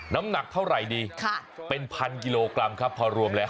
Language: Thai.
น้ำหนักเท่าไหร่ดีเป็นพันกิโลกรัมครับพอรวมแล้ว